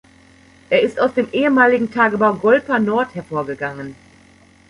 Er ist aus dem ehemaligen Tagebau Golpa-Nord hervorgegangen.